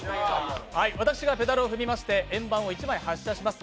私がペダルを踏みまして、円盤を１枚発射いたします。